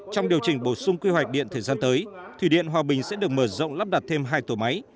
trong điều chỉnh bổ sung quy hoạch điện thời gian tới thủy điện hòa bình sẽ được mở rộng lắp đặt thêm hai tổ máy